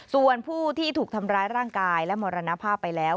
ส่วนผู้ที่ถูกทำร้ายร่างกายและมรณภาพไปแล้ว